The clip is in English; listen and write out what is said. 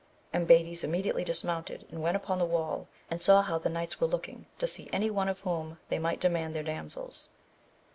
Ambades immediately dismounted and went upon the wall, and saw how the knights were looking to see any one of whom they might demand their damsels.